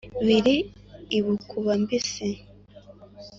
biri i bukuba-mbisi